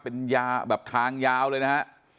เป็นทางยาวเลยนะฮะ